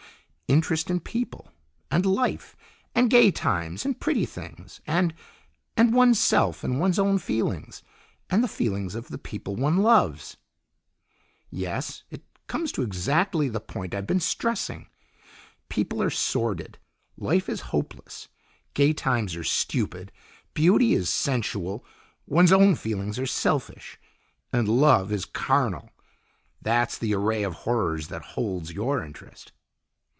"Interest in people, and life, and gay times, and pretty things, and and one's self and one's own feelings. And the feelings of the people one loves." "Yes. It comes to exactly the point I've been stressing. People are sordid, life is hopeless, gay times are stupid, beauty is sensual, one's own feelings are selfish. And love is carnal. That's the array of horrors that holds your interest!"